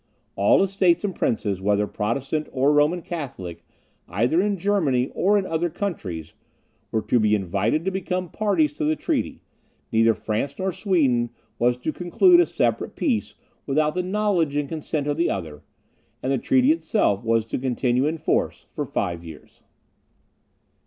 All Estates and princes whether Protestant or Roman Catholic, either in Germany or in other countries, were to be invited to become parties to the treaty; neither France nor Sweden was to conclude a separate peace without the knowledge and consent of the other; and the treaty itself was to continue in force for five years.